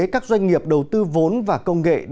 các doanh nghiệp đầu tư vốn và công nghệ